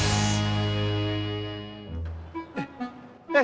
eh kenapa kau